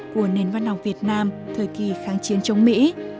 của nền văn học việt nam thời kỳ kháng chiến chống mỹ